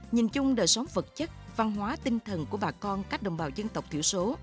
nhìn chung đời sống vật chất văn hóa tinh thần của bà con các đồng bào dân tộc thiểu số